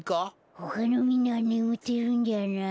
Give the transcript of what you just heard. ほかのみんなはねむってるんじゃない？